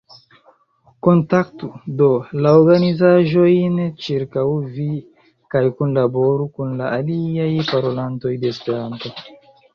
Kontaktu, do, la organizaĵojn ĉirkaŭ vi kaj kunlaboru kun la aliaj parolantoj de Esperanto.